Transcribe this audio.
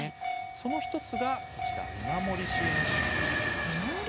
その１つが見守り支援システムです。